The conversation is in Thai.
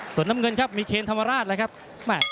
ส่วนน้ำเงินครับมีเคนธรรมราชแล้วครับ